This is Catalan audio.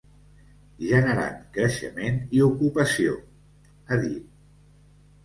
Generant creixement i ocupació, ha dit.